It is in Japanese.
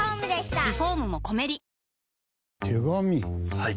はい。